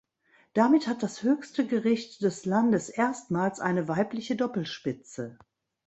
Damit hat das höchste Gericht des Landes erstmals eine weibliche Doppelspitze.